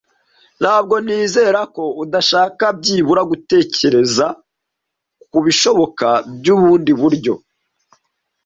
Ntabwo nizera ko udashaka byibura gutekereza kubishoboka byubundi buryo.